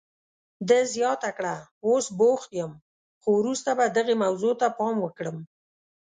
ده زیاته کړه، اوس بوخت یم، خو وروسته به دغې موضوع ته پام وکړم.